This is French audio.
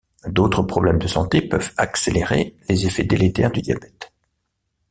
D’autres problèmes de santé peuvent accélérer les effets délétères du diabète.